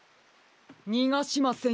にがしませんよ。